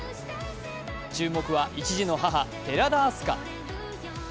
注目は一児の母・寺田明日香。